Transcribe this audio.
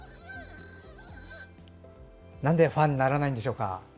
なんでファにならないんでしょうか？